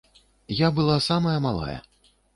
Я была самая малая.